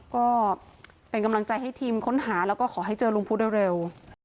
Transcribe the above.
ก็เป็นกำลังใจให้ทีมค้นหาแล้วก็ขอให้เจอลุงพุทธเร็ว